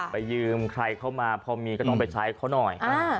ไปยืมใครเข้ามาพอมีก็ต้องไปใช้เขาหน่อย